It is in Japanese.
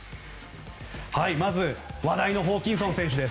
まず、話題のホーキンソン選手。